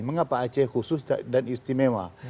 mengapa aceh khusus dan istimewa